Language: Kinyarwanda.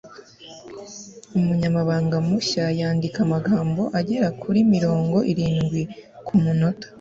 umunyamabanga mushya yandika amagambo agera kuri mirongo irindwi kumunota